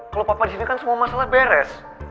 kalau papa di sini kan semua masalah beres